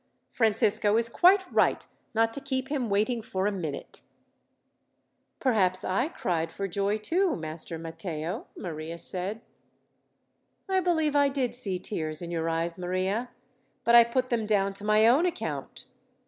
Francisco is quite right, not to keep him waiting for a minute." "Perhaps I cried for joy, too, Master Matteo," Maria said. "I believe I did see tears in your eyes, Maria; but I put them down to my own account.